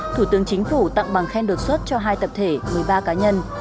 thủ tướng chính phủ tặng bằng khen đột xuất cho hai tập thể một mươi ba cá nhân